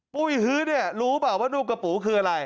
ปุ้ยฮื้อเนี่ยรู้เปล่าว่าลูกกระปูคืออะไร